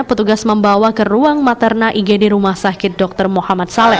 petugas membawa ke ruang materna igd rumah sakit dr muhammad saleh